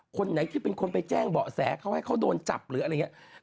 คนไหนที่เป็นคนไปแจ้งเบาะแสเขาให้เขาโดนจับหรืออะไรอย่างนี้